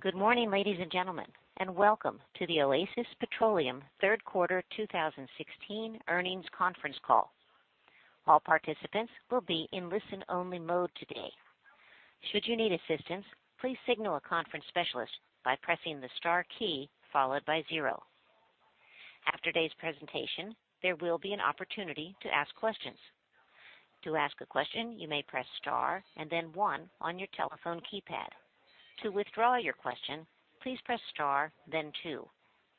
Good morning, ladies and gentlemen, and welcome to the Oasis Petroleum third quarter 2016 earnings conference call. All participants will be in listen-only mode today. Should you need assistance, please signal a conference specialist by pressing the star key followed by 0. After today's presentation, there will be an opportunity to ask questions. To ask a question, you may press star and then 1 on your telephone keypad. To withdraw your question, please press star, then 2.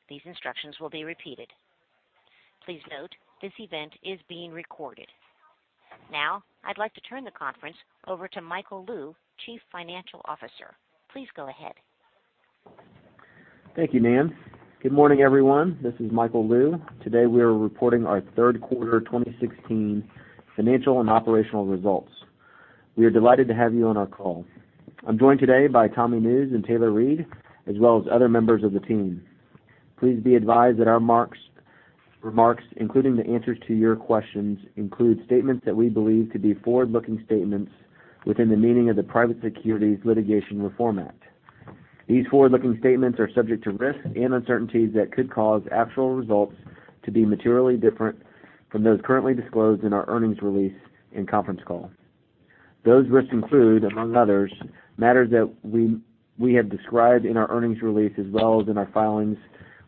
These instructions will be repeated. Please note, this event is being recorded. Now, I'd like to turn the conference over to Michael Lou, Chief Financial Officer. Please go ahead. Thank you, ma'am. Good morning, everyone. This is Michael Lou. Today, we are reporting our third quarter 2016 financial and operational results. We are delighted to have you on our call. I'm joined today by Tommy Nusz and Taylor Reid, as well as other members of the team. Please be advised that our remarks, including the answers to your questions, include statements that we believe to be forward-looking statements within the meaning of the Private Securities Litigation Reform Act. These forward-looking statements are subject to risks and uncertainties that could cause actual results to be materially different from those currently disclosed in our earnings release and conference call. Those risks include, among others, matters that we have described in our earnings release, as well as in our filings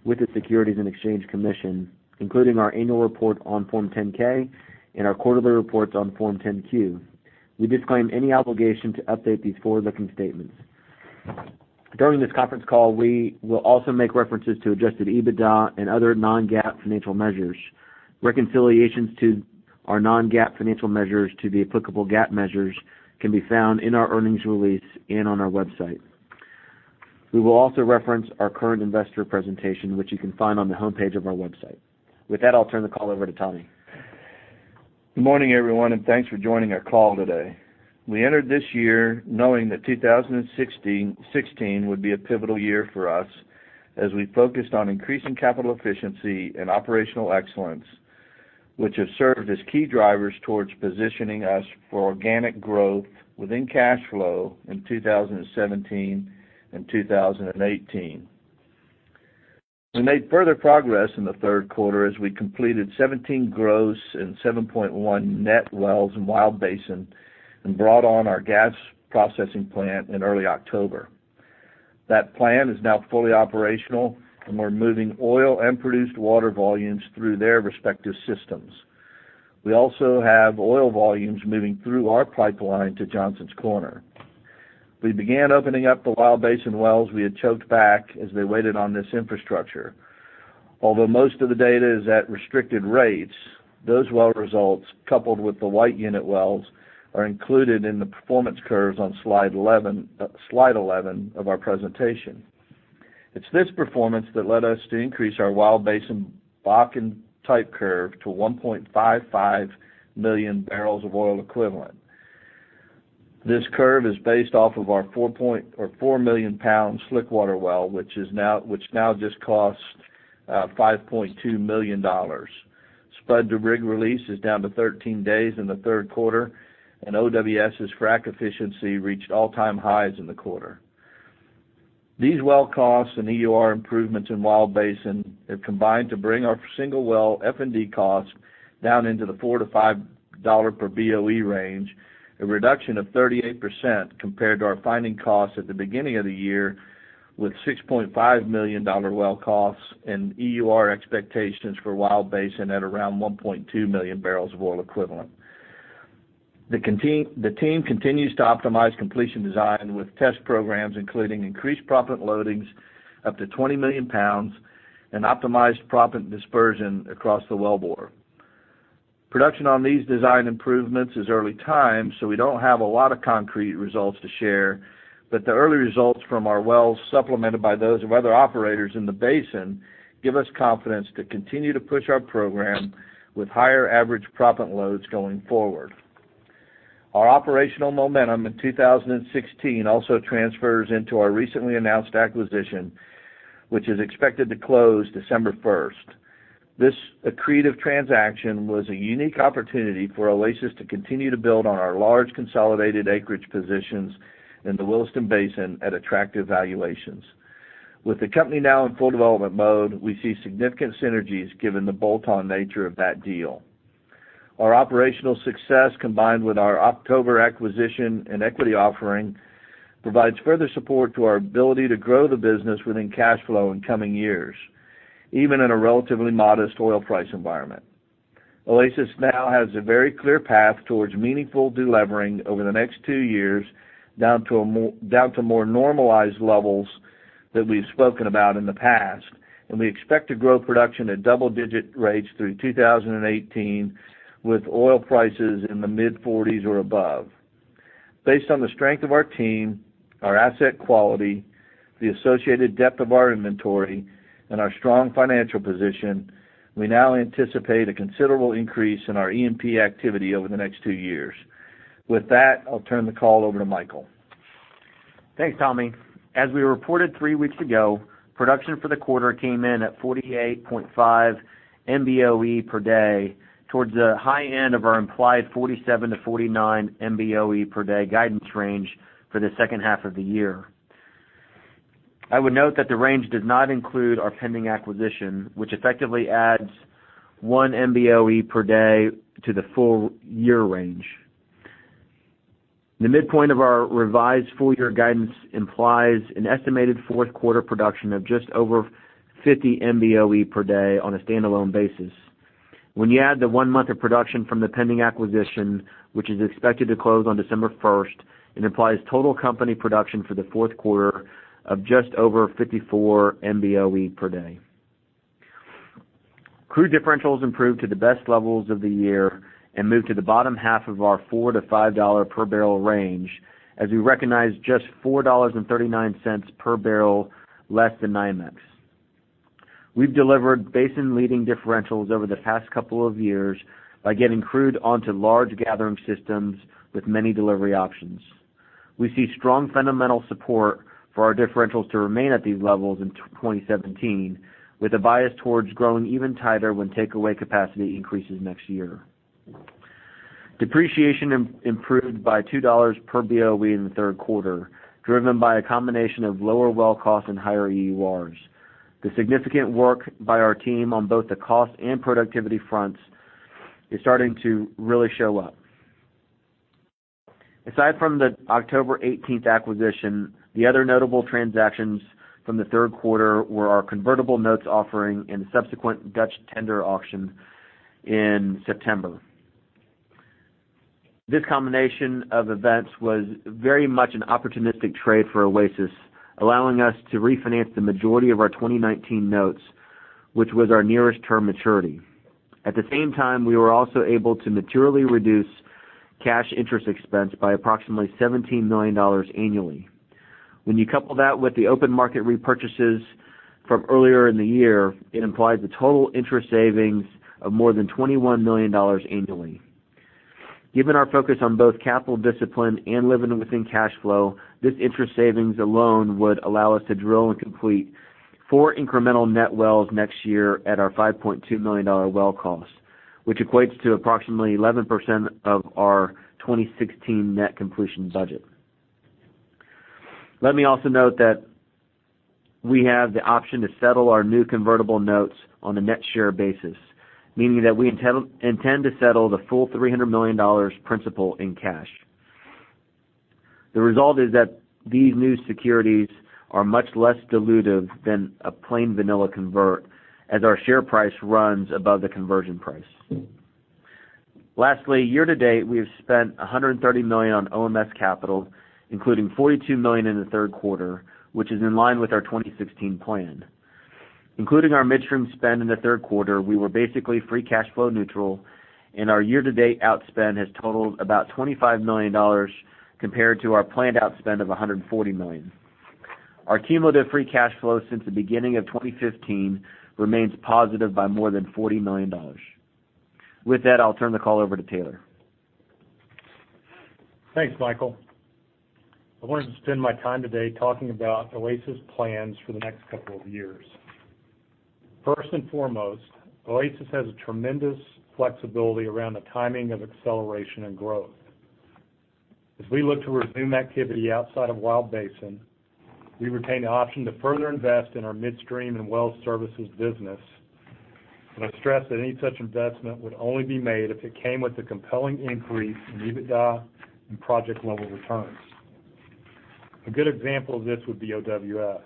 with the Securities and Exchange Commission, including our annual report on Form 10-K and our quarterly reports on Form 10-Q. We disclaim any obligation to update these forward-looking statements. During this conference call, we will also make references to adjusted EBITDA and other non-GAAP financial measures. Reconciliations to our non-GAAP financial measures to the applicable GAAP measures can be found in our earnings release and on our website. We will also reference our current investor presentation, which you can find on the homepage of our website. With that, I'll turn the call over to Tommy. Good morning, everyone, and thanks for joining our call today. We entered this year knowing that 2016 would be a pivotal year for us as we focused on increasing capital efficiency and operational excellence, which have served as key drivers towards positioning us for organic growth within cash flow in 2017 and 2018. We made further progress in the third quarter as we completed 17 gross and 7.1 net wells in Wild Basin and brought on our gas processing plant in early October. That plant is now fully operational, and we're moving oil and produced water volumes through their respective systems. We also have oil volumes moving through our pipeline to Johnson's Corner. We began opening up the Wild Basin wells we had choked back as they waited on this infrastructure. Although most of the data is at restricted rates, those well results, coupled with the White Unit wells, are included in the performance curves on slide 11 of our presentation. It's this performance that led us to increase our Wild Basin Bakken type curve to 1.55 million BOE. This curve is based off of our 4 million pound slick water well, which now just costs $5.2 million. Spud to rig release is down to 13 days in the third quarter, and OWS's frack efficiency reached all-time highs in the quarter. These well costs and EUR improvements in Wild Basin have combined to bring our single well F&D costs down into the 4 to $5 per BOE range, a reduction of 38% compared to our finding costs at the beginning of the year, with $6.5 million well costs and EUR expectations for Wild Basin at around 1.2 million BOE. The team continues to optimize completion design with test programs, including increased proppant loadings up to 20 million pounds and optimized proppant dispersion across the wellbore. Production on these design improvements is early times, so we don't have a lot of concrete results to share, but the early results from our wells, supplemented by those of other operators in the basin, give us confidence to continue to push our program with higher average proppant loads going forward. Our operational momentum in 2016 also transfers into our recently announced acquisition, which is expected to close December 1st. This accretive transaction was a unique opportunity for Oasis to continue to build on our large consolidated acreage positions in the Williston Basin at attractive valuations. With the company now in full development mode, we see significant synergies given the bolt-on nature of that deal. Our operational success, combined with our October acquisition and equity offering, provides further support to our ability to grow the business within cash flow in coming years, even in a relatively modest oil price environment. Oasis now has a very clear path towards meaningful delevering over the next two years down to more normalized levels that we've spoken about in the past, and we expect to grow production at double-digit rates through 2018 with oil prices in the mid-40s or above. Based on the strength of our team, our asset quality, the associated depth of our inventory, and our strong financial position, we now anticipate a considerable increase in our E&P activity over the next two years. With that, I'll turn the call over to Michael. Thanks, Tommy. As we reported three weeks ago, production for the quarter came in at 48.5 MBOE per day towards the high end of our implied 47 to 49 MBOE per day guidance range for the second half of the year. I would note that the range does not include our pending acquisition, which effectively adds one MBOE per day to the full-year range. The midpoint of our revised full-year guidance implies an estimated fourth quarter production of just over 50 MBOE per day on a standalone basis. When you add the one month of production from the pending acquisition, which is expected to close on December 1st, it implies total company production for the fourth quarter of just over 54 MBOE per day. Crude differentials improved to the best levels of the year and moved to the bottom half of our $4 to $5 per barrel range, as we recognized just $4.39 per barrel less than NYMEX. We've delivered basin-leading differentials over the past couple of years by getting crude onto large gathering systems with many delivery options. We see strong fundamental support for our differentials to remain at these levels in 2017, with a bias towards growing even tighter when takeaway capacity increases next year. Depreciation improved by $2 per BOE in the third quarter, driven by a combination of lower well costs and higher EURs. The significant work by our team on both the cost and productivity fronts is starting to really show up. Aside from the October 18th acquisition, the other notable transactions from the third quarter were our convertible notes offering and subsequent Dutch tender auction in September. This combination of events was very much an opportunistic trade for Oasis, allowing us to refinance the majority of our 2019 notes, which was our nearest term maturity. At the same time, we were also able to materially reduce cash interest expense by approximately $17 million annually. When you couple that with the open market repurchases from earlier in the year, it implies a total interest savings of more than $21 million annually. Given our focus on both capital discipline and living within cash flow, this interest savings alone would allow us to drill and complete four incremental net wells next year at our $5.2 million well cost, which equates to approximately 11% of our 2016 net completion budget. Let me also note that we have the option to settle our new convertible notes on a net share basis, meaning that we intend to settle the full $300 million principal in cash. The result is that these new securities are much less dilutive than a plain vanilla convert, as our share price runs above the conversion price. Lastly, year-to-date, we have spent $130 million on OMS capital, including $42 million in the third quarter, which is in line with our 2016 plan. Including our midstream spend in the third quarter, we were basically free cash flow neutral, and our year-to-date outspend has totaled about $25 million compared to our planned outspend of $140 million. Our cumulative free cash flow since the beginning of 2015 remains positive by more than $40 million. With that, I'll turn the call over to Taylor. Thanks, Michael. I wanted to spend my time today talking about Oasis plans for the next couple of years. First and foremost, Oasis has a tremendous flexibility around the timing of acceleration and growth. As we look to resume activity outside of Wild Basin, we retain the option to further invest in our midstream and well services business. I stress that any such investment would only be made if it came with a compelling increase in EBITDA and project level returns. A good example of this would be OWS.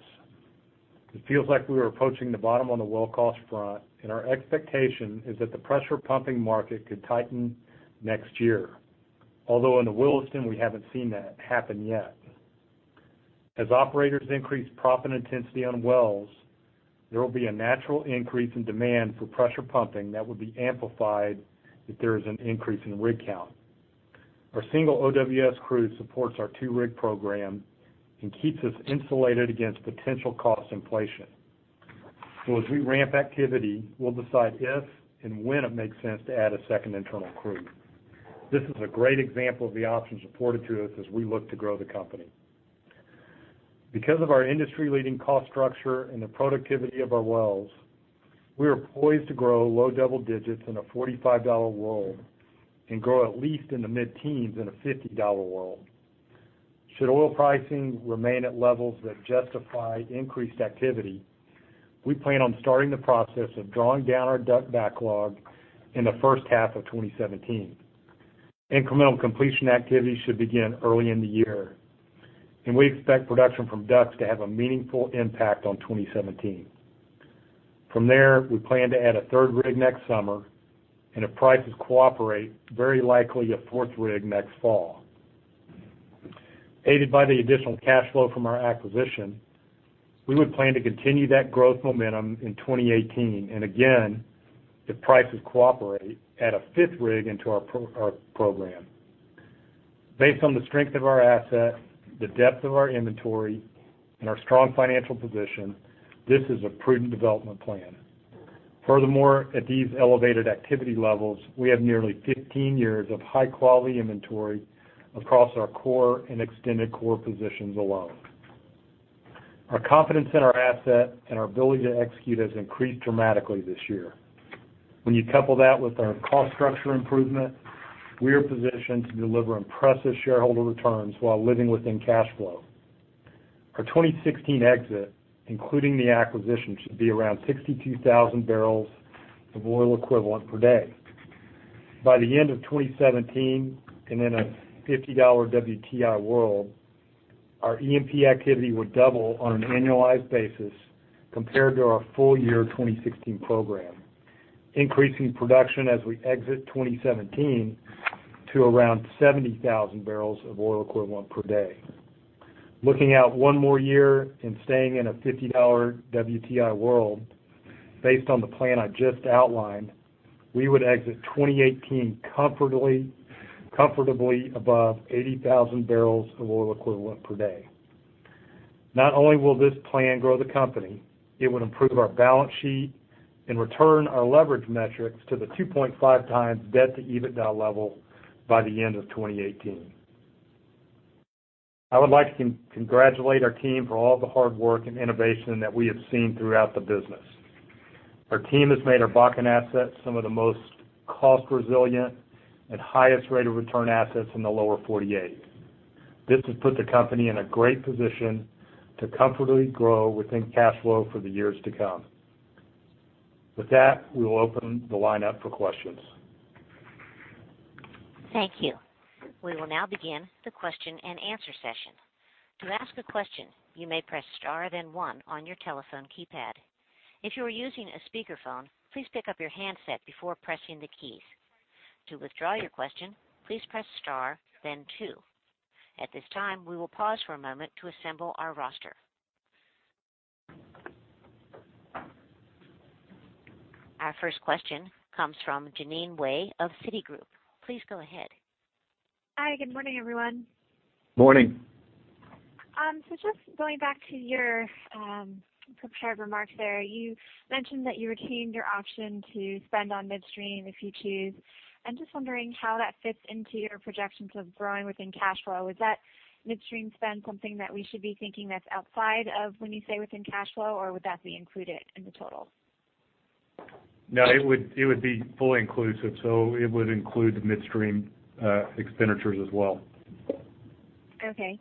It feels like we are approaching the bottom on the well cost front, and our expectation is that the pressure pumping market could tighten next year. Although in the Williston, we haven't seen that happen yet. As operators increase proppant intensity on wells, there will be a natural increase in demand for pressure pumping that would be amplified if there is an increase in rig count. Our single OWS crew supports our two-rig program and keeps us insulated against potential cost inflation. As we ramp activity, we'll decide if and when it makes sense to add a second internal crew. This is a great example of the options afforded to us as we look to grow the company. Because of our industry-leading cost structure and the productivity of our wells, we are poised to grow low double digits in a $45 world and grow at least in the mid-teens in a $50 world. Should oil pricing remain at levels that justify increased activity, we plan on starting the process of drawing down our DUC backlog in the first half of 2017. Incremental completion activity should begin early in the year, and we expect production from DUCs to have a meaningful impact on 2017. From there, we plan to add a third rig next summer, and if prices cooperate, very likely a fourth rig next fall. Aided by the additional cash flow from our acquisition, we would plan to continue that growth momentum in 2018, and again, if prices cooperate, add a fifth rig into our program. Based on the strength of our assets, the depth of our inventory, and our strong financial position, this is a prudent development plan. Furthermore, at these elevated activity levels, we have nearly 15 years of high-quality inventory across our core and extended core positions alone. Our confidence in our asset and our ability to execute has increased dramatically this year. When you couple that with our cost structure improvement, we are positioned to deliver impressive shareholder returns while living within cash flow. Our 2016 exit, including the acquisition, should be around 62,000 barrels of oil equivalent per day. By the end of 2017, and in a $50 WTI world, our E&P activity would double on an annualized basis compared to our full year 2016 program, increasing production as we exit 2017 to around 70,000 barrels of oil equivalent per day. Looking out one more year and staying in a $50 WTI world, based on the plan I just outlined, we would exit 2018 comfortably above 80,000 barrels of oil equivalent per day. Not only will this plan grow the company, it would improve our balance sheet and return our leverage metrics to the 2.5 times debt to EBITDA level by the end of 2018. I would like to congratulate our team for all the hard work and innovation that we have seen throughout the business. Our team has made our Bakken assets some of the most cost resilient and highest rate of return assets in the Lower 48. This has put the company in a great position to comfortably grow within cash flow for the years to come. With that, we will open the line up for questions. Thank you. We will now begin the question and answer session. To ask a question, you may press star then one on your telephone keypad. If you are using a speakerphone, please pick up your handset before pressing the keys. To withdraw your question, please press star then two. At this time, we will pause for a moment to assemble our roster. Our first question comes from Jeanine Wai of Citigroup. Please go ahead. Hi. Good morning, everyone. Morning. Just going back to your prepared remarks there, you mentioned that you retained your option to spend on midstream if you choose. I'm just wondering how that fits into your projections of growing within cash flow. Is that midstream spend something that we should be thinking that's outside of when you say within cash flow, or would that be included in the total? No, it would be fully inclusive. It would include midstream expenditures as well. Okay.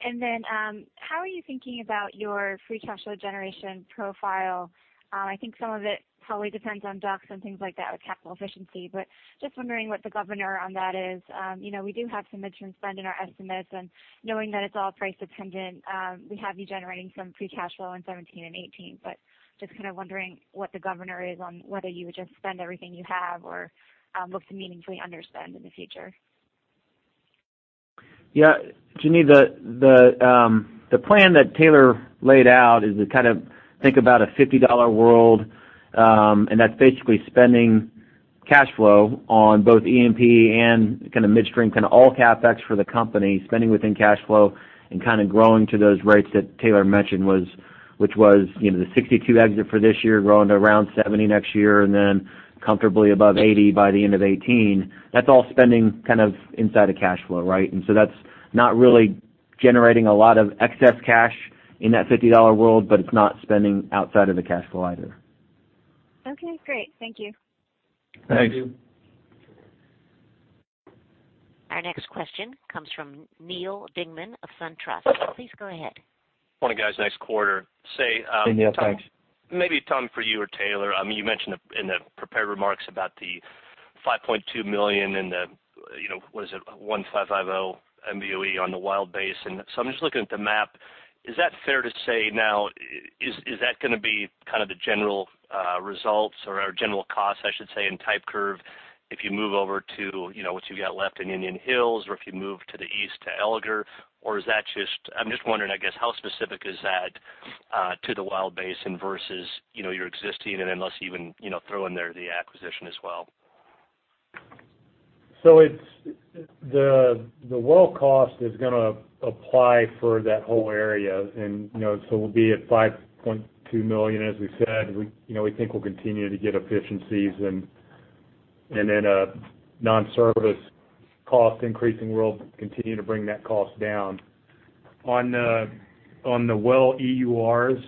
How are you thinking about your free cash flow generation profile? I think some of it probably depends on DUCs and things like that with capital efficiency, just wondering what the governor on that is. We do have some midstream spend in our estimates, knowing that it's all price dependent, we have you generating some free cash flow in 2017 and 2018. Just wondering what the governor is on whether you would just spend everything you have or what's the meaningful underspend in the future? Yeah. Jeanine, the plan that Taylor laid out is to think about a $50 world. That's basically spending cash flow on both E&P and midstream, all CapEx for the company, spending within cash flow growing to those rates that Taylor mentioned, which was, the 62 exit for this year, growing to around 70 next year, then comfortably above 80 by the end of 2018. That's all spending inside of cash flow, right? That's not really generating a lot of excess cash in that $50 world, it's not spending outside of the cash flow either. Okay, great. Thank you. Thank you. Thank you. Our next question comes from Neal Dingmann of SunTrust. Please go ahead. Morning, guys. Nice quarter. Hey Neal, thanks. Maybe, Tommy, for you or Taylor, you mentioned in the prepared remarks about the $5.2 million and the, what is it? 1,550 MBOE on the Wild Basin. I'm just looking at the map. Is that fair to say now, is that going to be the general results or general cost, I should say, in type curve if you move over to what you got left in Indian Hills or if you move to the east to Alger? I'm just wondering how specific is that to the Wild Basin versus your existing and then let's even throw in there the acquisition as well? The well cost is going to apply for that whole area, we'll be at $5.2 million as we said. We think we'll continue to get efficiencies and then a non-service cost increase, and we'll continue to bring that cost down. On the well EURs,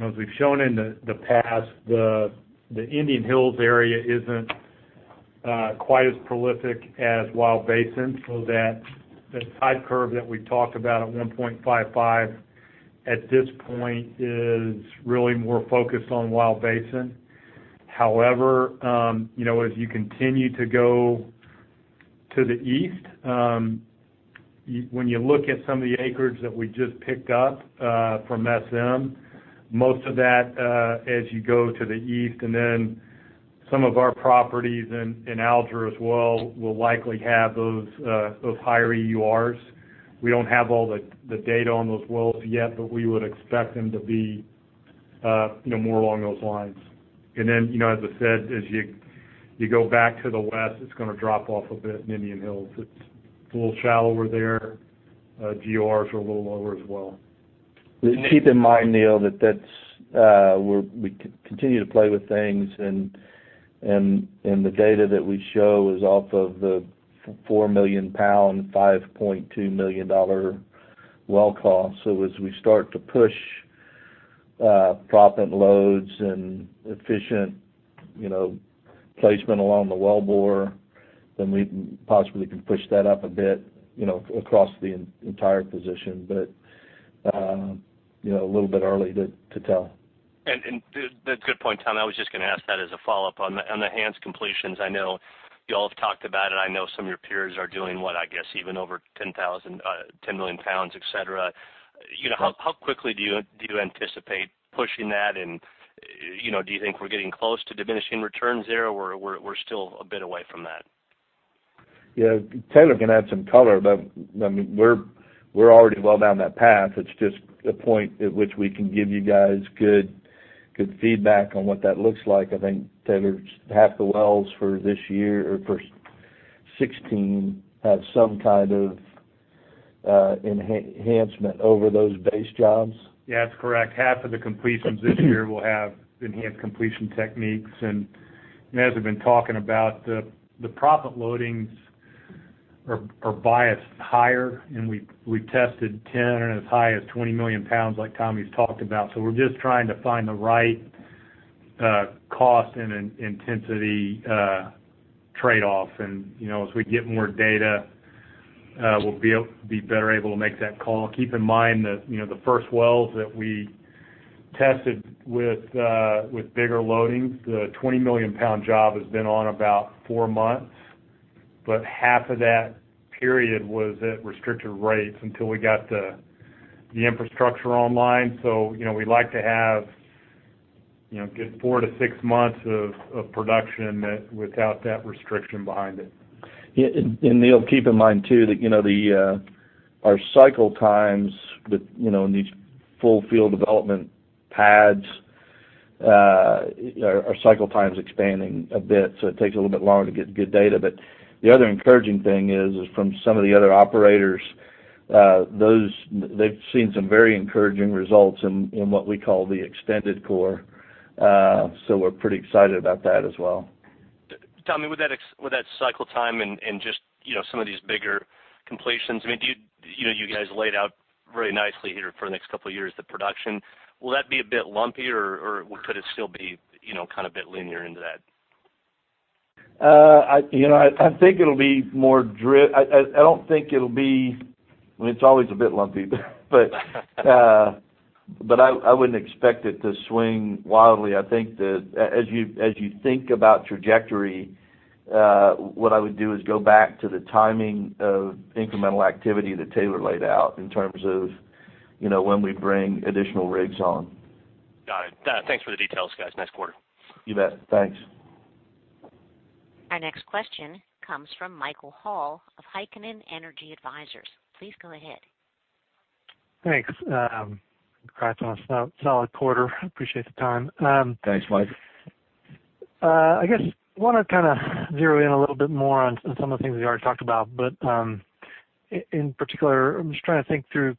as we've shown in the past, the Indian Hills area isn't quite as prolific as Wild Basin. That type curve that we talked about at 1.55 at this point is really more focused on Wild Basin. However, as you continue to go to the east, when you look at some of the acreage that we just picked up from SM, most of that as you go to the east and then some of our properties in Alger as well will likely have those higher EURs. We don't have all the data on those wells yet, we would expect them to be more along those lines. As I said, as you go back to the west, it's going to drop off a bit in Indian Hills. It's a little shallower there. GORs are a little lower as well. Keep in mind, Neal, that we continue to play with things and the data that we show is off of the 4 million pound, $5.2 million well cost. As we start to push proppant loads and efficient placement along the wellbore, we possibly can push that up a bit, across the entire position. A little bit early to tell. Good point, Tommy. I was just going to ask that as a follow-up on the enhanced completions. I know you all have talked about it. I know some of your peers are doing, what, I guess even over 10 million pounds, et cetera. How quickly do you anticipate pushing that and do you think we're getting close to diminishing returns there, or we're still a bit away from that? Yeah. Taylor can add some color, we're already well down that path. It's just a point at which we can give you guys good feedback on what that looks like. I think Taylor, half the wells for this year or for 2016 have some kind of enhancement over those base jobs. Yeah, that's correct. Half of the completions this year will have enhanced completion techniques. As we've been talking about the proppant loadings are biased higher, and we tested 10 or as high as 20 million pounds, like Tommy's talked about. We're just trying to find the right cost and intensity trade-off. As we get more data, we'll be better able to make that call. Keep in mind that the first wells that we tested with bigger loadings, the 20-million-pound job, has been on about four months. Half of that period was at restricted rates until we got the infrastructure online. We'd like to have good four to six months of production without that restriction behind it. Yeah. Neal, keep in mind too that our cycle times in these full field development pads, our cycle time's expanding a bit, so it takes a little bit longer to get good data. The other encouraging thing is from some of the other operators, they've seen some very encouraging results in what we call the extended core. We're pretty excited about that as well. Tommy, with that cycle time and just some of these bigger completions, you guys laid out very nicely here for the next couple of years the production. Will that be a bit lumpy or could it still be a bit linear into that? It's always a bit lumpy, I wouldn't expect it to swing wildly. I think that as you think about trajectory, what I would do is go back to the timing of incremental activity that Taylor laid out in terms of when we bring additional rigs on. Got it. Thanks for the details, guys. Nice quarter. You bet. Thanks. Our next question comes from Michael Hall of Heikkinen Energy Advisors. Please go ahead. Thanks. Congrats on a solid quarter. Appreciate the time. Thanks, Mike. I guess I want to zero in a little bit more on some of the things we already talked about. In particular, I'm just trying to think through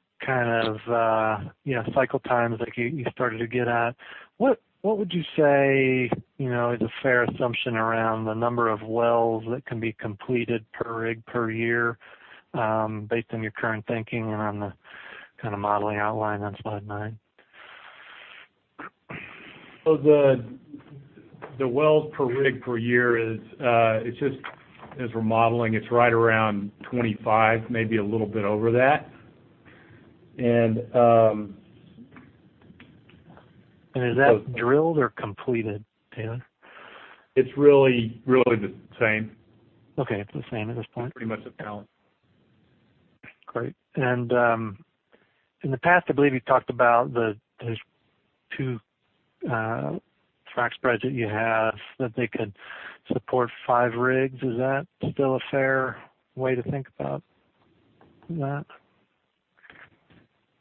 cycle times like you started to get at. What would you say is a fair assumption around the number of wells that can be completed per rig per year, based on your current thinking and on the modeling outline on slide nine? The wells per rig per year is, as we're modeling, it's right around 25, maybe a little bit over that. Is that drilled or completed, Taylor? It's really the same. Okay. It's the same at this point. Pretty much the same. Great. In the past, I believe you talked about those two frac spreads that you have, that they could support five rigs. Is that still a fair way to think about that?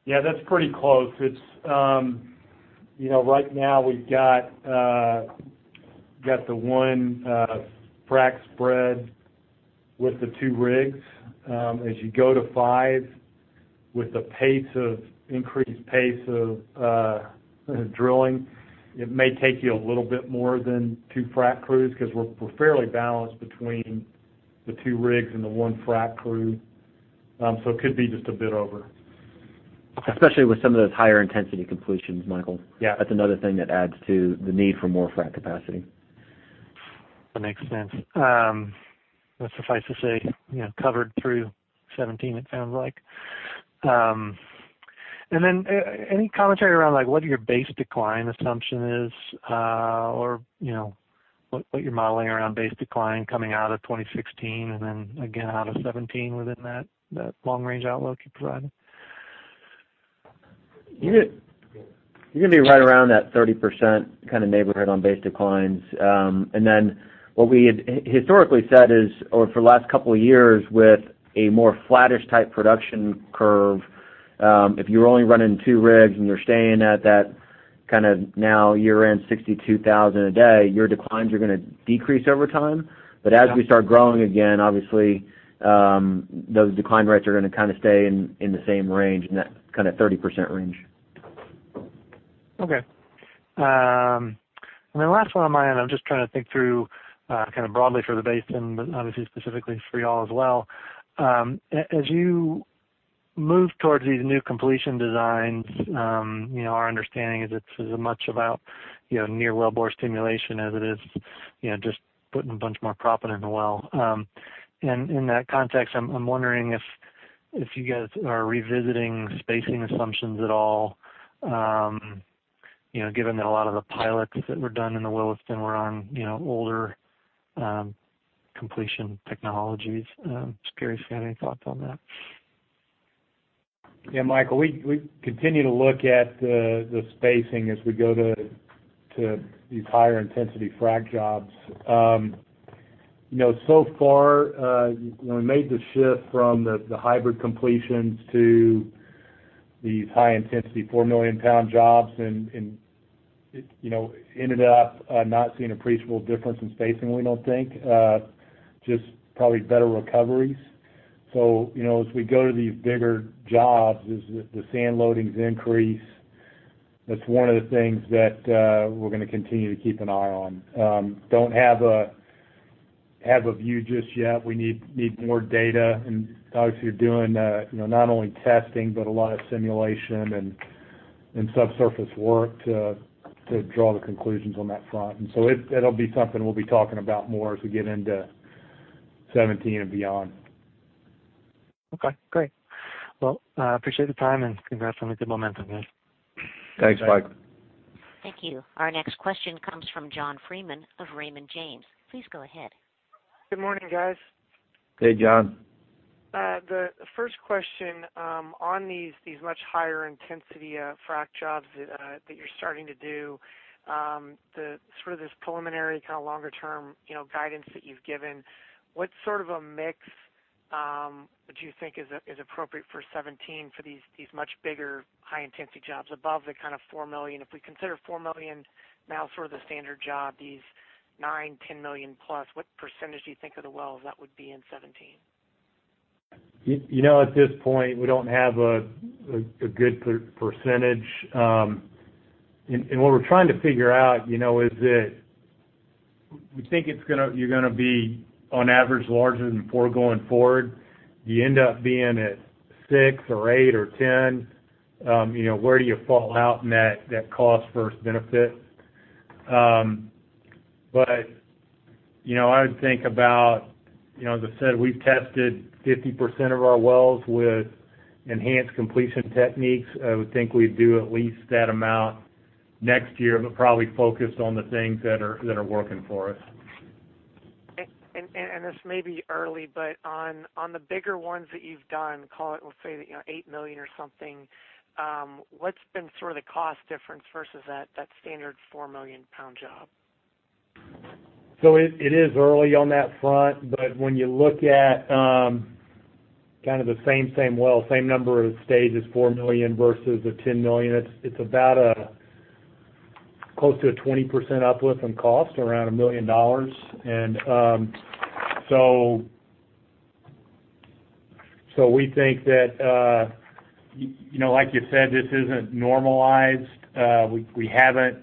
Yeah, that's pretty close. Right now we've got the one frac spread with the two rigs. As you go to five with the increased pace of drilling, it may take you a little bit more than two frac crews because we're fairly balanced between the two rigs and the one frac crew. It could be just a bit over. Especially with some of those higher intensity completions, Michael. Yeah. That's another thing that adds to the need for more frac capacity. That makes sense. Suffice to say, covered through 2017, it sounds like. Any commentary around what your base decline assumption is? What you're modeling around base decline coming out of 2016 and then again out of 2017 within that long range outlook you provided? You're going to be right around that 30% neighborhood on base declines. What we had historically said is, over the last couple of years with a more flattish type production curve, if you're only running two rigs and you're staying at that now year-end 62,000 a day, your declines are going to decrease over time. As we start growing again, obviously, those decline rates are going to stay in the same range, in that 30% range. Okay. The last one on my end, I'm just trying to think through broadly for the basin, but obviously specifically for you all as well. As you move towards these new completion designs, our understanding is it's as much about near wellbore stimulation as it is just putting a bunch more proppant in the well. In that context, I'm wondering if you guys are revisiting spacing assumptions at all, given that a lot of the pilots that were done in the Williston were on older completion technologies. Just curious if you have any thoughts on that. Yeah, Michael, we continue to look at the spacing as we go to these higher intensity frac jobs. So far, we made the shift from the hybrid completions to these high intensity 4 million pound jobs, it ended up not seeing appreciable difference in spacing, we don't think. Just probably better recoveries. As we go to these bigger jobs, as the sand loadings increase, that's one of the things that we're going to continue to keep an eye on. Don't have a view just yet. We need more data, obviously you're doing, not only testing, but a lot of simulation and subsurface work to draw the conclusions on that front. It'll be something we'll be talking about more as we get into 2017 and beyond. Okay, great. Well, I appreciate the time and congrats on the good momentum, guys. Thanks, Mike. Thank you. Our next question comes from John Freeman of Raymond James. Please go ahead. Good morning, guys. Hey, John. The first question, on these much higher intensity frac jobs that you're starting to do, through this preliminary longer term guidance that you've given, what sort of a mix do you think is appropriate for 2017 for these much bigger high intensity jobs above the 4 million? If we consider 4 million now sort of the standard job, these 9, 10 million+, what % do you think of the wells that would be in 2017? At this point, we don't have a good percentage. What we're trying to figure out is that we think you're going to be, on average, larger than four going forward. Do you end up being at six or eight or 10? Where do you fall out in that cost versus benefit? I would think about, as I said, we've tested 50% of our wells with enhanced completion techniques. I would think we'd do at least that amount next year, but probably focused on the things that are working for us. This may be early, but on the bigger ones that you've done, call it, let's say, $8 million or something, what's been sort of the cost difference versus that standard 4 million pound job? It is early on that front, but when you look at the same well, same number of stages, 4 million versus the 10 million, it's about close to a 20% uplift in cost, around $1 million. We think that, like you said, this isn't normalized. We haven't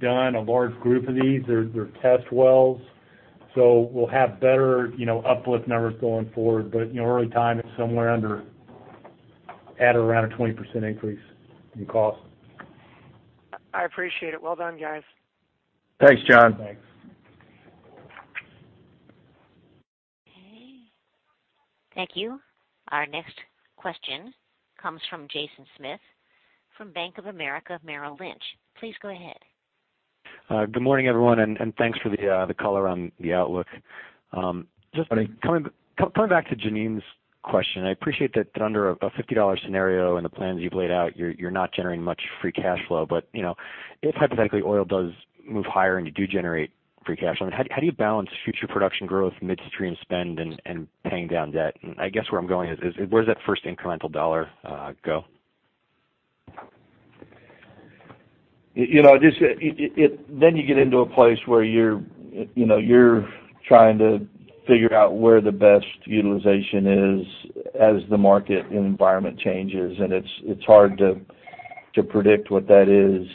done a large group of these. They're test wells, so we'll have better uplift numbers going forward. But early timing, somewhere under, at around a 20% increase in cost. I appreciate it. Well done, guys. Thanks, John. Thanks. Okay. Thank you. Our next question comes from Jason Smith from Bank of America Merrill Lynch. Please go ahead. Good morning, everyone, thanks for the color on the outlook. Morning. Just coming back to Jeanine's question, I appreciate that under a $50 scenario and the plans you've laid out, you're not generating much free cash flow. If hypothetically oil does move higher and you do generate free cash flow, how do you balance future production growth, midstream spend, and paying down debt? I guess where I'm going is where does that first incremental dollar go? You get into a place where you're trying to figure out where the best utilization is as the market environment changes, and it's hard to predict what that is.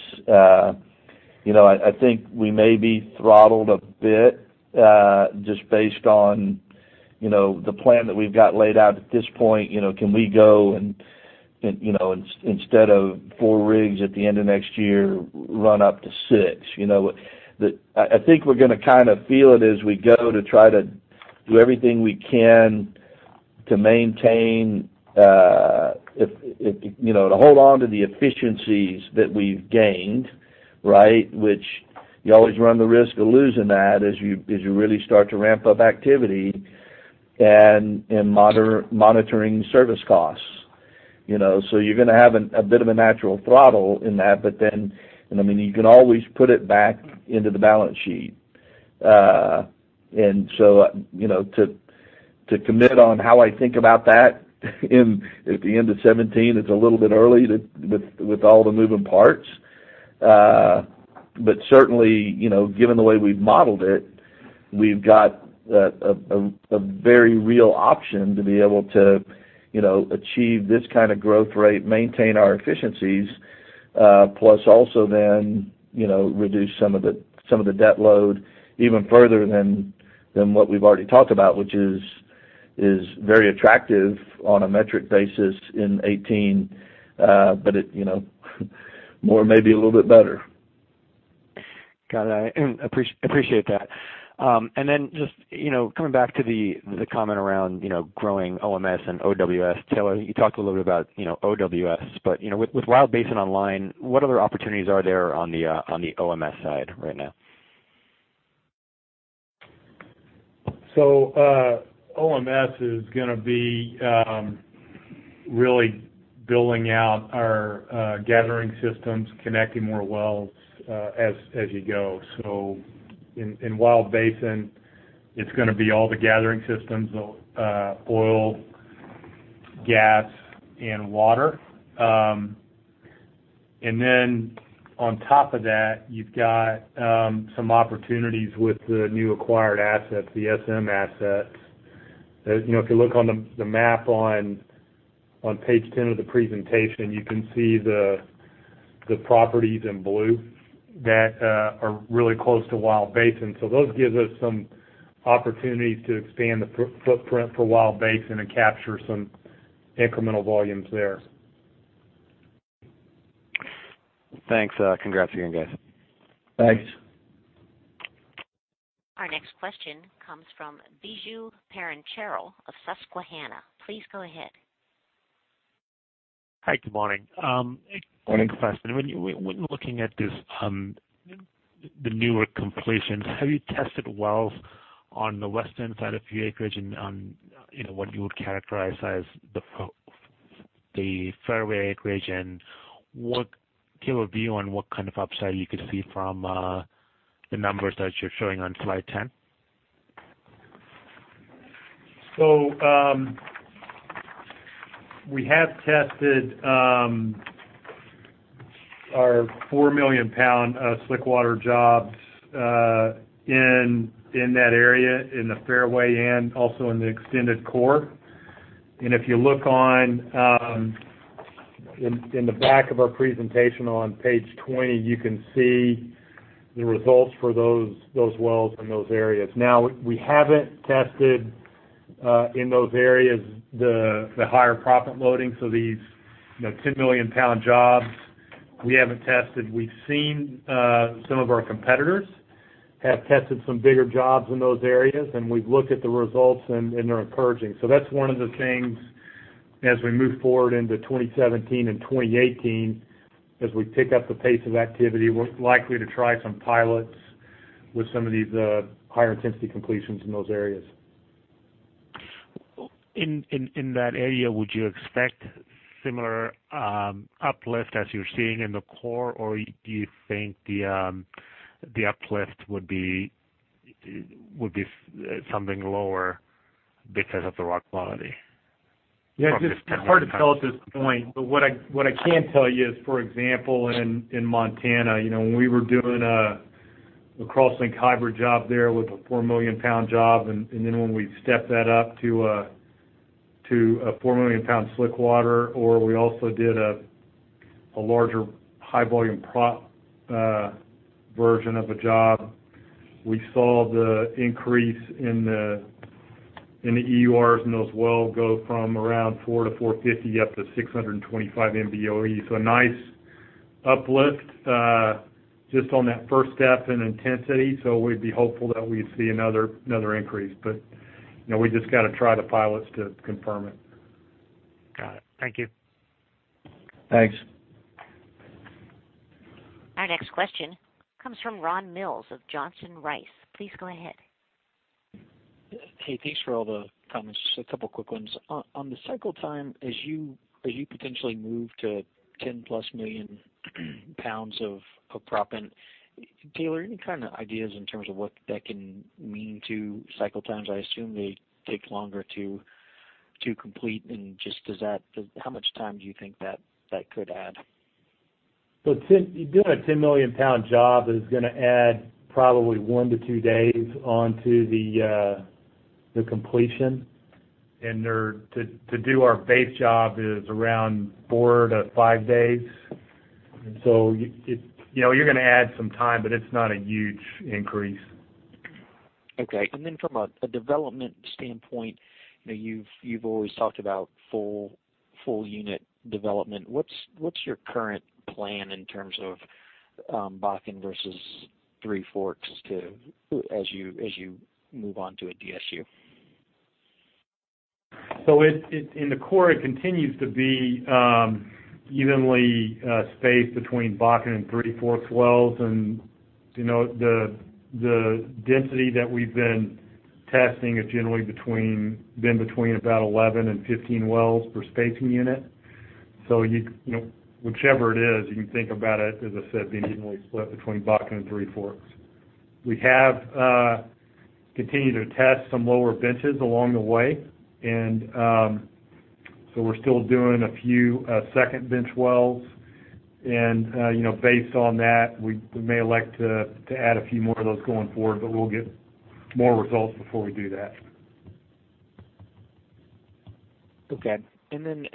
I think we may be throttled a bit, just based on the plan that we've got laid out at this point. Can we go and instead of four rigs at the end of next year, run up to six? I think we're going to feel it as we go to try to do everything we can to maintain, to hold onto the efficiencies that we've gained, which you always run the risk of losing that as you really start to ramp up activity, and monitoring service costs. You're going to have a bit of a natural throttle in that, but then, you can always put it back into the balance sheet. To commit on how I think about that at the end of 2017, it's a little bit early with all the moving parts. Certainly, given the way we've modeled it. We've got a very real option to be able to achieve this kind of growth rate, maintain our efficiencies, plus also then reduce some of the debt load even further than what we've already talked about, which is very attractive on a metric basis in 2018. It may be a little bit better. Got it. Appreciate that. Just coming back to the comment around growing OMS and OWS. Taylor, you talked a little bit about OWS, but with Wild Basin online, what other opportunities are there on the OMS side right now? OMS is going to be really building out our gathering systems, connecting more wells as you go. In Wild Basin, it's going to be all the gathering systems, oil, gas, and water. On top of that, you've got some opportunities with the new acquired assets, the SM assets. If you look on the map on page 10 of the presentation, you can see the properties in blue that are really close to Wild Basin. Those give us some opportunities to expand the footprint for Wild Basin and capture some incremental volumes there. Thanks. Congrats again, guys. Thanks. Our next question comes from Biju Perincheril of Susquehanna. Please go ahead. Hi, good morning. Morning. Quick question. When looking at the newer completions, have you tested wells on the western side of your acreage in what you would characterize as the fairway acreage, and give a view on what kind of upside you could see from the numbers that you're showing on slide 10? We have tested our 4 million pound slick water jobs in that area, in the fairway and also in the extended core. If you look in the back of our presentation on page 20, you can see the results for those wells in those areas. We haven't tested in those areas the higher proppant loading, so these 10 million pound jobs, we haven't tested. We've seen some of our competitors have tested some bigger jobs in those areas, and we've looked at the results and they're encouraging. That's one of the things as we move forward into 2017 and 2018, as we pick up the pace of activity, we're likely to try some pilots with some of these higher intensity completions in those areas. In that area, would you expect similar uplift as you're seeing in the core, or do you think the uplift would be something lower because of the rock quality? Yeah, it's hard to tell at this point. What I can tell you is, for example, in Montana, when we were doing a Crosslink hybrid job there with a 4 million pound job, and then when we stepped that up to a 4 million pound slick water, or we also did a larger high volume proppant version of a job, we saw the increase in the EURs in those wells go from around 4 to 450 up to 625 MBOE. A nice uplift just on that first step in intensity. We'd be hopeful that we'd see another increase. We just got to try the pilots to confirm it. Got it. Thank you. Thanks. Our next question comes from Ron Mills of Johnson Rice. Please go ahead. Hey, thanks for all the comments. Just a couple quick ones. On the cycle time, as you potentially move to 10-plus million pounds of proppant, Taylor, any ideas in terms of what that can mean to cycle times? I assume they take longer to complete, how much time do you think that could add? Doing a 10 million pound job is going to add probably one to two days onto the completion. To do our base job is around four to five days. You're going to add some time, but it's not a huge increase. Okay. Then from a development standpoint, you've always talked about full unit development. What's your current plan in terms of Bakken versus Three Forks as you move on to a DSU? In the core, it continues to be evenly spaced between Bakken and Three Forks wells. The density that we've been testing has generally been between about 11 and 15 wells per spacing unit. Whichever it is, you can think about it, as I said, being evenly split between Bakken and Three Forks. We have continued to test some lower benches along the way, we're still doing a few second bench wells, and based on that, we may elect to add a few more of those going forward, but we'll get more results before we do that. Okay. When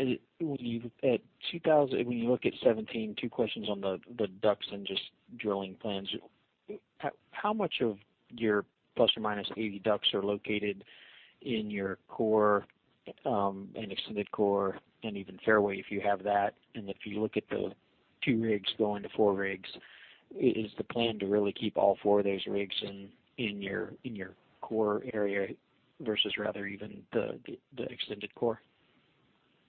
you look at 2017, two questions on the DUCs and just drilling plans. How much of your ±80 DUCs are located in your core and extended core, and even fairway, if you have that? If you look at the two rigs going to four rigs, is the plan to really keep all four of those rigs in your core area versus rather even the extended core?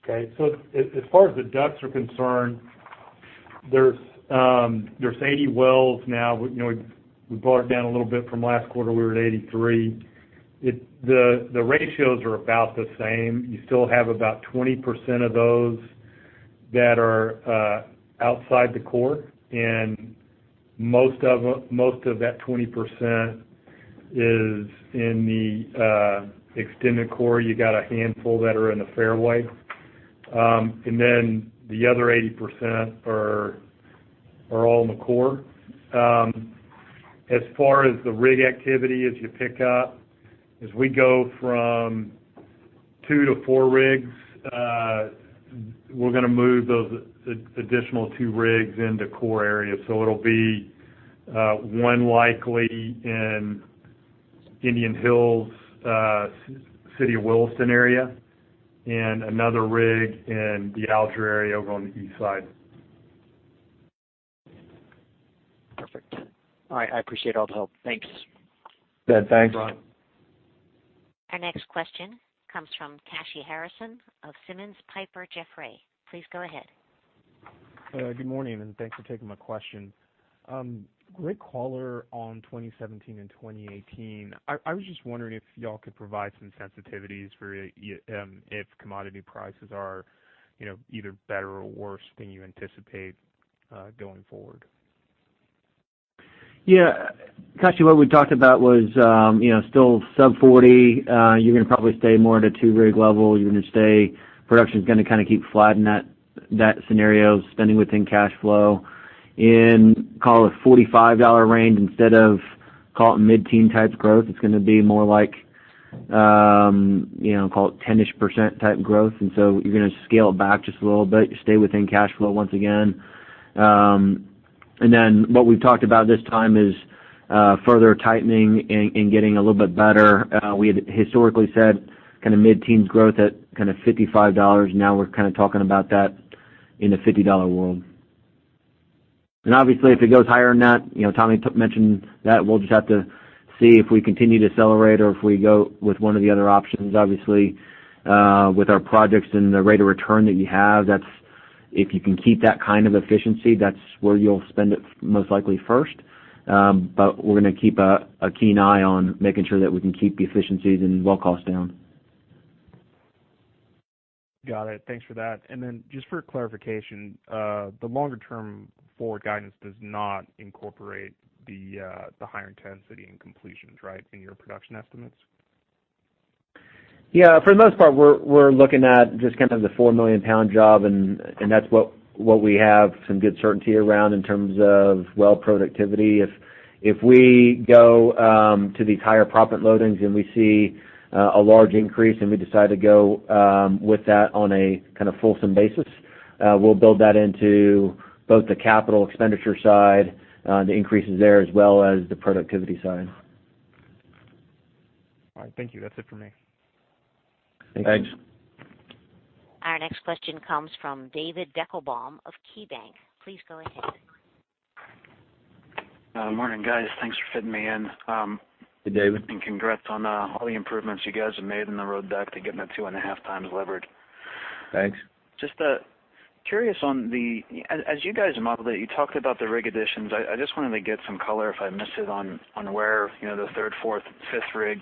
Okay. As far as the DUCs are concerned, there's 80 wells now. We brought it down a little bit from last quarter, we were at 83. The ratios are about the same. You still have about 20% of those that are outside the core, and most of that 20% is in the extended core. You got a handful that are in the fairway. The other 80% are all in the core. As far as the rig activity, as you pick up, as we go from two to four rigs, we're going to move those additional two rigs into core areas. It'll be one likely in Indian Hills, City of Williston area, and another rig in the Alger area over on the east side. Perfect. All right. I appreciate all the help. Thanks. Good. Thanks. Our next question comes from Kashy Harrison of Simmons Piper Jaffray. Please go ahead. Good morning. Thanks for taking my question. Great color on 2017 and 2018. I was just wondering if you all could provide some sensitivities for if commodity prices are either better or worse than you anticipate going forward. Yeah. Kashy, what we talked about was still sub 40. You're going to probably stay more at a 2-rig level. Production's going to keep flat in that scenario, spending within cash flow. In, call it $45 range instead of mid-teen type growth, it's going to be more like call it 10-ish% type growth. You're going to scale it back just a little bit, stay within cash flow once again. What we've talked about this time is further tightening and getting a little bit better. We had historically said mid-teens growth at $55. Now we're talking about that in a $50 world. Obviously, if it goes higher than that, Tommy mentioned that we'll just have to see if we continue to accelerate or if we go with one of the other options. Obviously, with our projects and the rate of return that you have, if you can keep that kind of efficiency, that's where you'll spend it most likely first. We're going to keep a keen eye on making sure that we can keep the efficiencies and well cost down. Got it. Thanks for that. Just for clarification, the longer-term forward guidance does not incorporate the higher intensity in completions, right, in your production estimates? Yeah, for the most part, we're looking at just the 4 million pound job, and that's what we have some good certainty around in terms of well productivity. If we go to these higher proppant loadings and we see a large increase and we decide to go with that on a fulsome basis, we'll build that into both the capital expenditure side, the increases there, as well as the productivity side. All right. Thank you. That's it for me. Thank you. Thanks. Our next question comes from David Deckelbaum of KeyBanc. Please go ahead. Morning, guys. Thanks for fitting me in. Hey, David. Congrats on all the improvements you guys have made in the road DUC to getting to 2.5 times leverage. Thanks. Just curious. As you guys model it, you talked about the rig additions. I just wanted to get some color, if I missed it, on where the third, fourth, fifth rig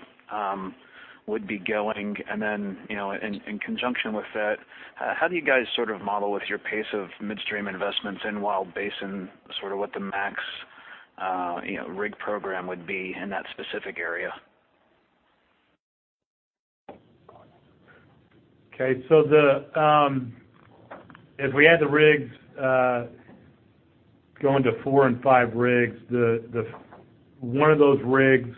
would be going. In conjunction with that, how do you guys model with your pace of midstream investments in Wild Basin, what the max rig program would be in that specific area? If we add the rigs, going to four and five rigs, one of those rigs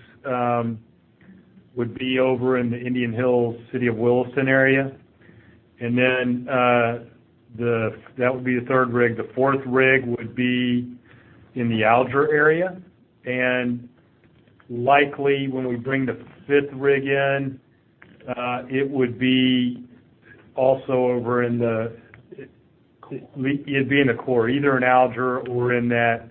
would be over in the Indian Hills, City of Williston area. That would be the third rig. The fourth rig would be in the Alger area. Likely when we bring the fifth rig in, it'd be in the core, either in Alger or in that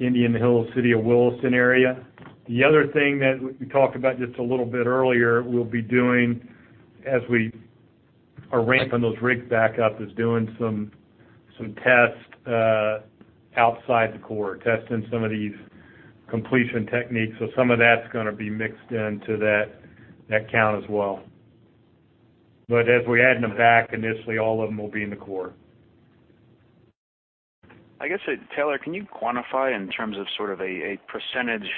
Indian Hills, City of Williston area. The other thing that we talked about just a little bit earlier, we'll be doing as we are ramping those rigs back up, is doing some tests outside the core, testing some of these completion techniques. Some of that's going to be mixed into that count as well. As we add them back initially, all of them will be in the core. I guess, Taylor, can you quantify in terms of a percentage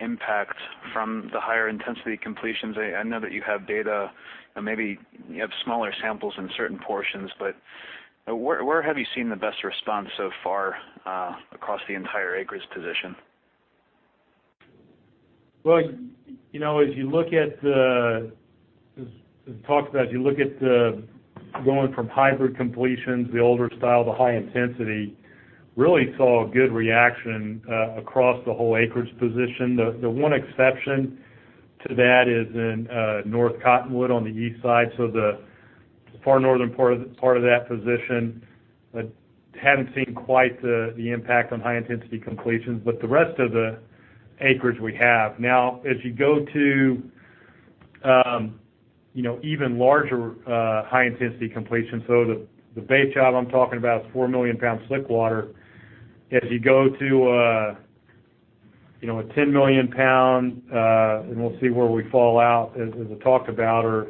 impact from the higher intensity completions? I know that you have data and maybe you have smaller samples in certain portions, but where have you seen the best response so far across the entire acreage position? As you look at the, as we talked about, you look at going from hybrid completions, the older style, the high intensity, really saw a good reaction across the whole acreage position. The one exception to that is in North Cottonwood on the east side, so the far northern part of that position, hadn't seen quite the impact on high-intensity completions, but the rest of the acreage we have. As you go to even larger high-intensity completions, so the base job I'm talking about is 4 million pound slick water. As you go to a 10 million pound, and we'll see where we fall out, as we talked about or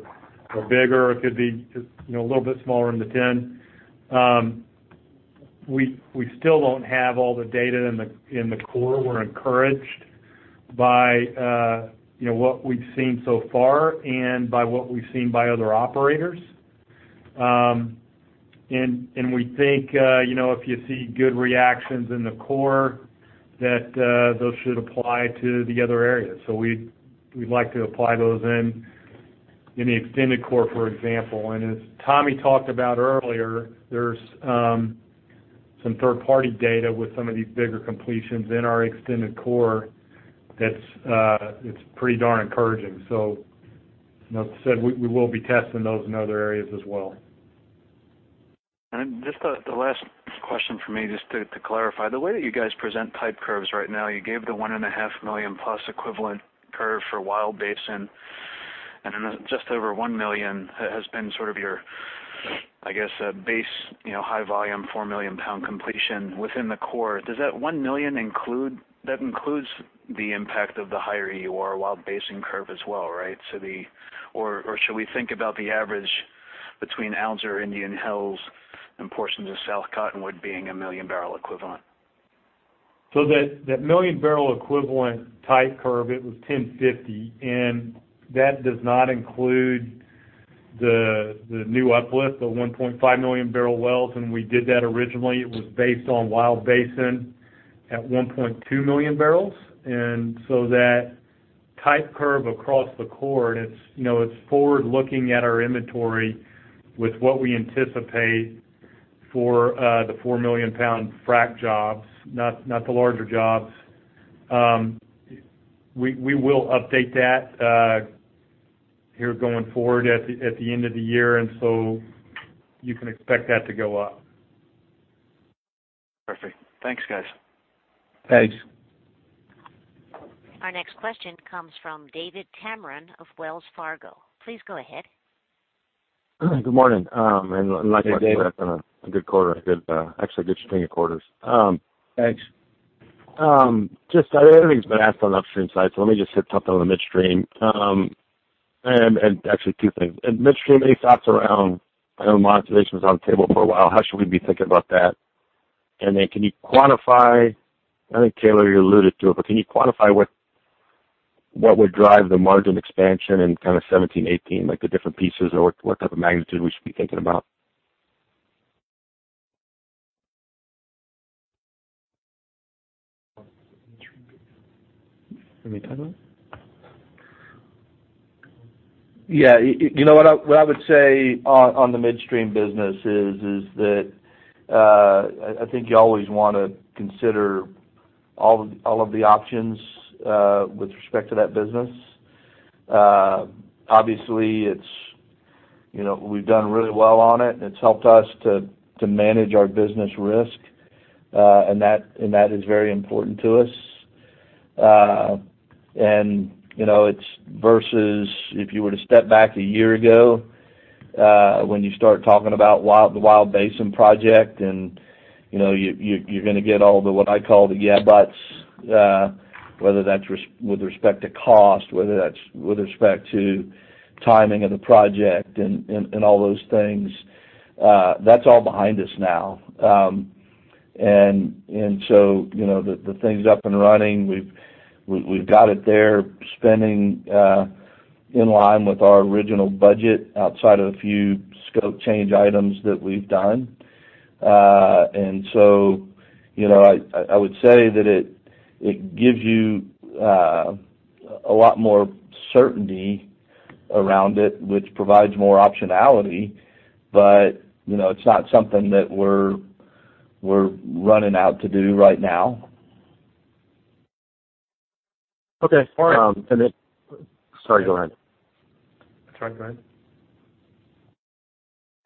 bigger, it could be a little bit smaller than the 10. We still don't have all the data in the core. We're encouraged by what we've seen so far and by what we've seen by other operators. We think, if you see good reactions in the core, that those should apply to the other areas. We'd like to apply those in the extended core, for example. As Tommy talked about earlier, there's some third-party data with some of these bigger completions in our extended core that's pretty darn encouraging. Like I said, we will be testing those in other areas as well. Just the last question from me, just to clarify, the way that you guys present type curves right now, you gave the one and a half million plus equivalent curve for Wild Basin, then just over one million has been sort of your, I guess, base high volume, 4 million pound completion within the core. Does that include the impact of the higher EUR Wild Basin curve as well, right? Or should we think about the average between Alger, Indian Hills, and portions of South Cottonwood being a million barrel equivalent? That million barrel equivalent type curve, it was 1,050, and that does not include the new uplift, the 1.5 million barrel wells. When we did that originally, it was based on Wild Basin at 1.2 million barrels. That type curve across the core, it's forward-looking at our inventory with what we anticipate for the 4 million pound frack jobs, not the larger jobs. We will update that here going forward at the end of the year, you can expect that to go up. Perfect. Thanks, guys. Thanks. Our next question comes from David Tameron of Wells Fargo. Please go ahead. Good morning. Hey, David a good quarter. Actually a good string of quarters. Thanks. Just everything's been asked on the upstream side, so let me just hit something on the midstream. Actually two things. In midstream, any thoughts around, I know monetization was on the table for a while. How should we be thinking about that? Then can you quantify, I think Taylor, you alluded to it, but can you quantify what would drive the margin expansion in kind of 2017, 2018, like the different pieces or what type of magnitude we should be thinking about? You want me to talk about it? Yeah. What I would say on the midstream business is that, I think you always want to consider all of the options with respect to that business. Obviously, we've done really well on it and it's helped us to manage our business risk. That is very important to us. It's versus if you were to step back a year ago, when you start talking about the Wild Basin project and you're going to get all the, what I call the yeah, buts, whether that's with respect to cost, whether that's with respect to timing of the project, and all those things. That's all behind us now. The thing's up and running. We've got it there spending in line with our original budget outside of a few scope change items that we've done. I would say that it gives you a lot more certainty around it, which provides more optionality. It's not something that we're running out to do right now. Okay. All right. Sorry, go ahead. Sorry, go ahead.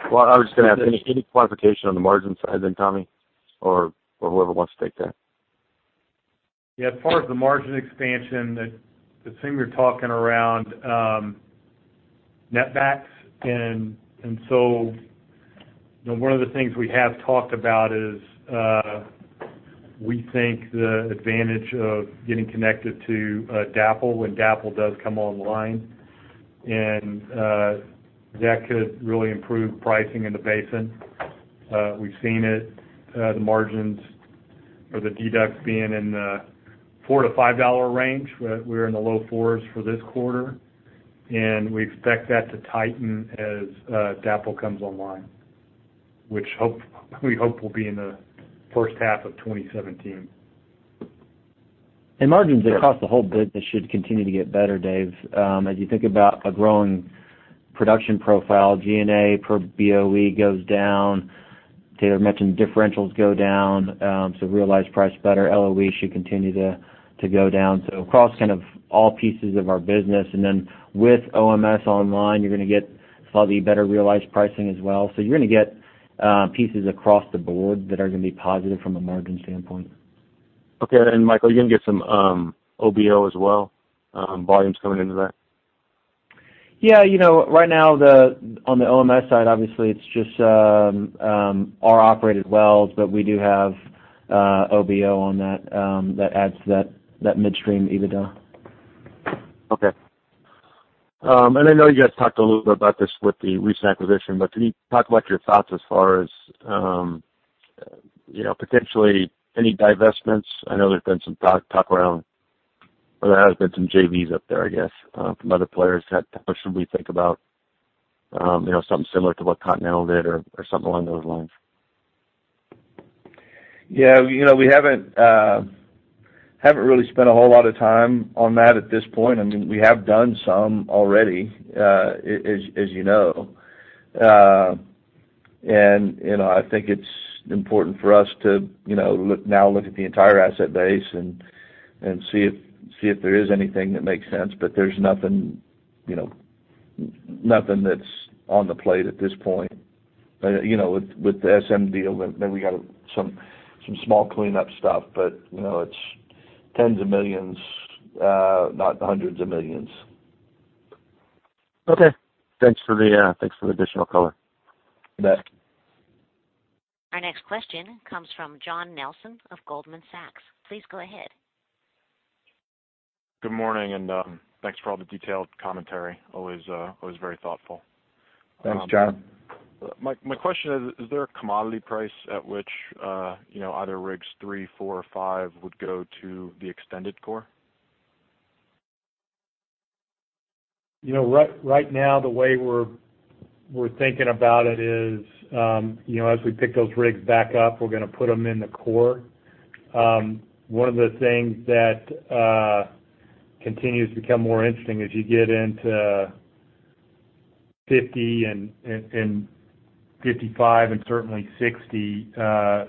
I was just going to ask any quantification on the margin side then, Tommy, or whoever wants to take that. Yeah. As far as the margin expansion, I assume you're talking around net backs. One of the things we have talked about is, we think the advantage of getting connected to DAPL when DAPL does come online, and that could really improve pricing in the basin. We've seen it, the margins for the deduct being in the $4 to $5 range. We're in the low fours for this quarter, we expect that to tighten as DAPL comes online, which we hope will be in the first half of 2017. Margins across the whole business should continue to get better, Dave. As you think about a growing production profile, G&A per BOE goes down. Taylor mentioned differentials go down, realized price better. LOE should continue to go down, across all pieces of our business. With OMS online, you're going to get slightly better realized pricing as well. You're going to get pieces across the board that are going to be positive from a margin standpoint. Okay. Michael, you're going to get some BOE as well, volumes coming into that? Yeah. Right now, on the OMS side, obviously, it's just our operated wells, but we do have BOE on that. That adds to that midstream EBITDA. Okay. I know you guys talked a little bit about this with the recent acquisition, can you talk about your thoughts as far as potentially any divestments? I know there's been some talk around, or there has been some JVs up there, I guess, from other players. How should we think about something similar to what Continental did or something along those lines? Yeah. We haven't really spent a whole lot of time on that at this point. We have done some already, as you know. I think it's important for us to now look at the entire asset base and see if there is anything that makes sense. There's nothing that's on the plate at this point. With the SM deal, maybe we got some small cleanup stuff, but it's $tens of millions, not $hundreds of millions. Okay. Thanks for the additional color. You bet. Our next question comes from John Nelson of Goldman Sachs. Please go ahead. Good morning. Thanks for all the detailed commentary. Always very thoughtful. Thanks, John. My question is there a commodity price at which either rigs three, four, or five would go to the extended core? Right now, the way we're thinking about it is, as we pick those rigs back up, we're going to put them in the core. One of the things that continues to become more interesting as you get into $50 and $55 and certainly $60,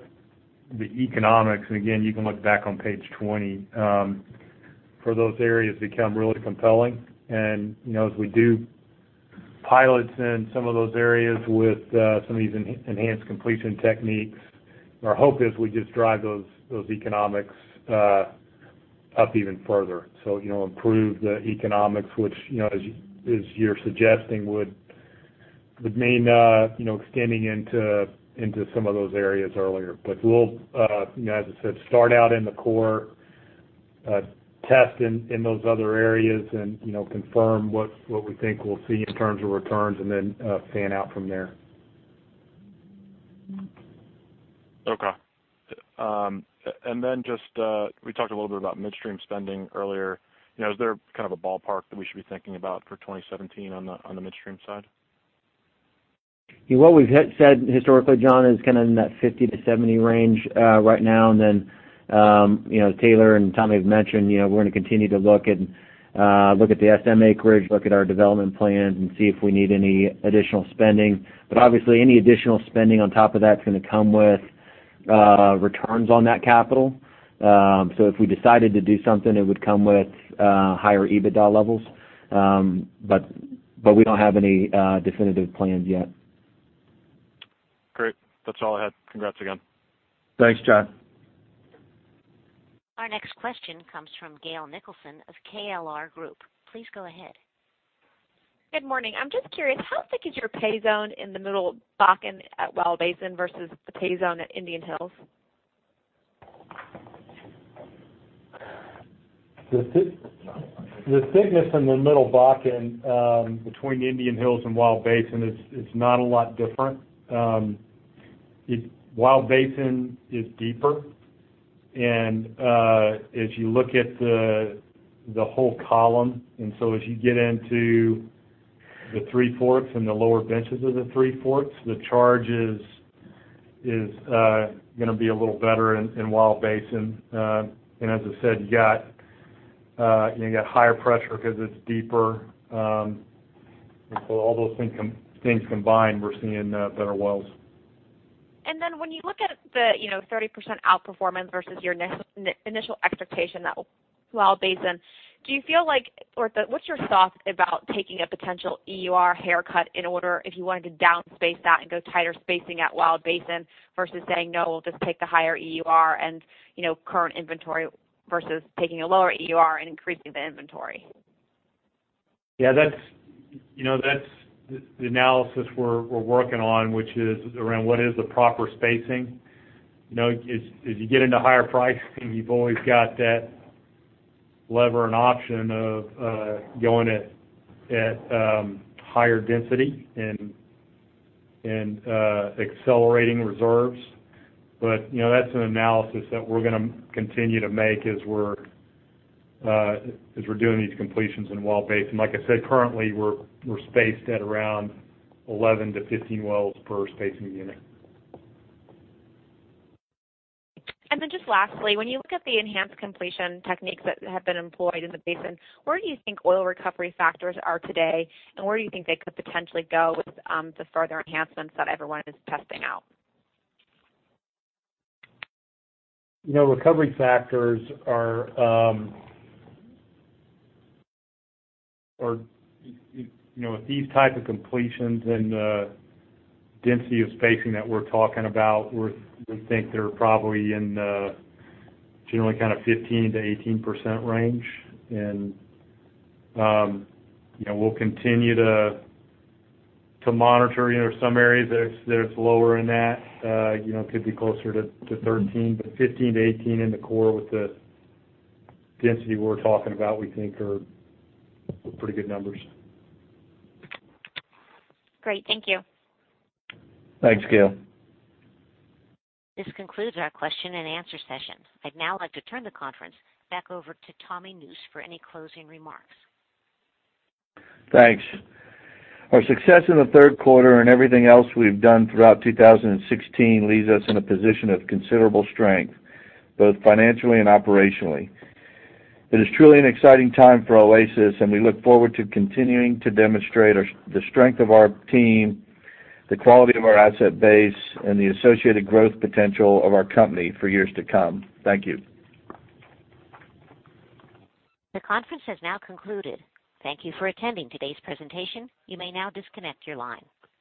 the economics, and again, you can look back on page 20, for those areas become really compelling. As we do pilots in some of those areas with some of these enhanced completion techniques, our hope is we just drive those economics up even further. So improve the economics, which, as you're suggesting, would mean extending into some of those areas earlier. We'll, as I said, start out in the core, test in those other areas and confirm what we think we'll see in terms of returns and then fan out from there. Okay. Just, we talked a little bit about midstream spending earlier. Is there a ballpark that we should be thinking about for 2017 on the midstream side? What we've said historically, John, is in that $50-$70 range right now. As Taylor and Tommy have mentioned, we're going to continue to look at the SM acreage, look at our development plans, and see if we need any additional spending. Obviously, any additional spending on top of that is going to come with returns on that capital. If we decided to do something, it would come with higher EBITDA levels. We don't have any definitive plans yet. Great. That's all I had. Congrats again. Thanks, John. Our next question comes from Gail Nicholson of KLR Group. Please go ahead. Good morning. I'm just curious, how thick is your pay zone in the Middle Bakken at Wild Basin versus the pay zone at Indian Hills? The thickness in the Middle Bakken between Indian Hills and Wild Basin is not a lot different. Wild Basin is deeper, and as you look at the whole column, and so as you get into the Three Forks and the lower benches of the Three Forks, the charge is going to be a little better in Wild Basin. As I said, you got higher pressure because it's deeper. All those things combined, we're seeing better wells. When you look at the 30% outperformance versus your initial expectation at Wild Basin, what's your thought about taking a potential EUR haircut in order if you wanted to down space that and go tighter spacing at Wild Basin versus saying, "No, we'll just take the higher EUR and current inventory," versus taking a lower EUR and increasing the inventory? Yeah. That's the analysis we're working on, which is around what is the proper spacing. As you get into higher pricing, you've always got that lever and option of going at higher density and accelerating reserves. That's an analysis that we're going to continue to make as we're doing these completions in Wild Basin. Like I said, currently, we're spaced at around 11-15 wells per spacing unit. Just lastly, when you look at the enhanced completion techniques that have been employed in the basin, where do you think oil recovery factors are today, and where do you think they could potentially go with the further enhancements that everyone is testing out? Recovery factors with these type of completions and the density of spacing that we're talking about, we think they're probably in the generally 15%-18% range. We'll continue to monitor some areas that it's lower than that, could be closer to 13%. 15%-18% in the core with the density we're talking about, we think are pretty good numbers. Great. Thank you. Thanks, Gail. This concludes our question and answer session. I'd now like to turn the conference back over to Tommy Nusz for any closing remarks. Thanks. Our success in the third quarter and everything else we've done throughout 2016 leaves us in a position of considerable strength, both financially and operationally. It is truly an exciting time for Oasis, and we look forward to continuing to demonstrate the strength of our team, the quality of our asset base, and the associated growth potential of our company for years to come. Thank you. The conference has now concluded. Thank you for attending today's presentation. You may now disconnect your line.